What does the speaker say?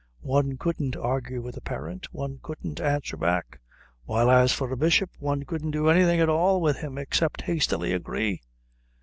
One couldn't argue with a parent, one couldn't answer back; while as for a bishop, one couldn't do anything at all with him except hastily agree.